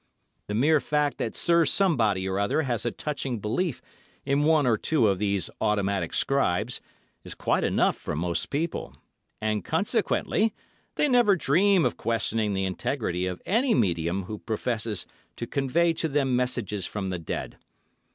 The mere fact that Sir somebody or other has a touching belief in one or two of these automatic scribes is quite enough for most people, and, consequently, they never dream of questioning the integrity of any medium who professes to convey to them messages from the dead.